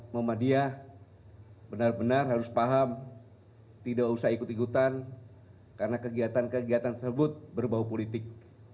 muhammadiyah benar benar harus paham tidak usah ikut ikutan karena kegiatan kegiatan tersebut berbau politik